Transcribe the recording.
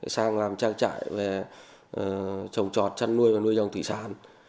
sang làm trang trại về trồng trọt chăn nuôi và nuôi trồng thủy sản